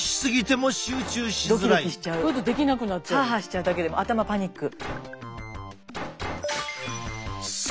はあはあしちゃうだけでもう頭パニック。